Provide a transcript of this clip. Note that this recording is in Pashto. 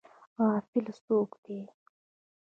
غافل څوک دی؟